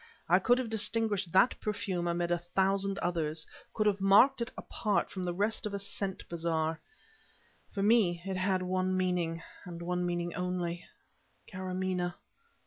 I could have distinguished that perfume amid a thousand others, could have marked it apart from the rest in a scent bazaar. For me it had one meaning, and one meaning only Karamaneh.